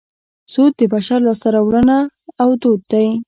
سود د بشر لاسته راوړنه او دود دی